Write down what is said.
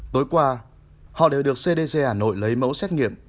tối qua họ đều được cdc hà nội lấy mẫu xét nghiệm